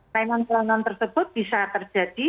kainan kelaunan tersebut bisa terjadi